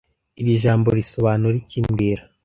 Iri jambo risobanura iki mbwira